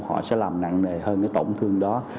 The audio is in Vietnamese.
họ sẽ làm nặng nề hơn cái tổn thương đó